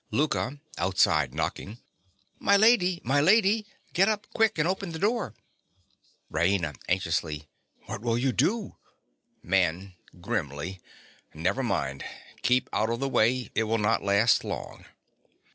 _) LOUKA. (outside, knocking). My lady, my lady! Get up, quick, and open the door. RAINA. (anxiously). What will you do? MAN. (grimly). Never mind. Keep out of the way. It will not last long.